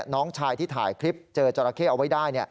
น้องชายที่ถ่ายคลิปเจอจราเข้เอาไว้ได้